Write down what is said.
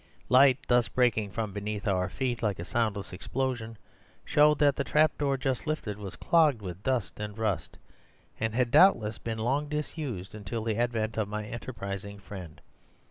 Light thus breaking from beneath our feet like a soundless explosion, showed that the trapdoor just lifted was clogged with dust and rust, and had doubtless been long disused until the advent of my enterprising friend.